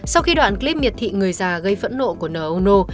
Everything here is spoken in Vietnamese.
sau khi đoạn clip miệt thị người già gây phẫn nộ của nô ô nô